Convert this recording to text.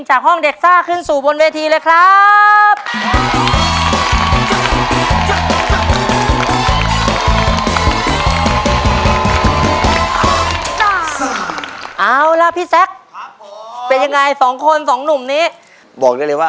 จากห้องเด็กซ่าขึ้นสู่บนเวทีเลยครับ